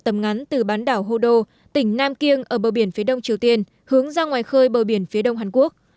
gồm ngắn từ bán đảo hô đô tỉnh nam kiêng ở bờ biển phía đông triều tiên hướng ra ngoài khơi bờ biển phía đông hàn quốc